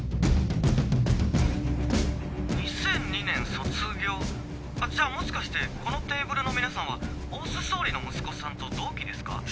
２００２年卒業？じゃあもしかしてこのテーブルの皆さんは大須総理の息子さんと同期ですか？